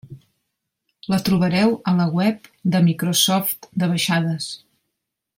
La trobareu a la web de Microsoft de baixades.